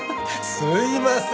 すいません。